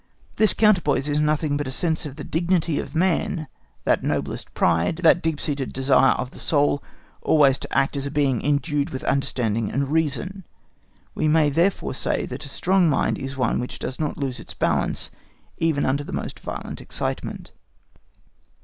This counterpoise is nothing but a sense of the dignity of man, that noblest pride, that deeply seated desire of the soul always to act as a being endued with understanding and reason. We may therefore say that a strong mind is one which does not lose its balance even under the most violent excitement.